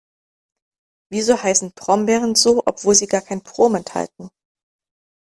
Wieso heißen Brombeeren so, obwohl sie gar kein Brom enthalten?